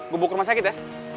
gue buka rumah sakit ya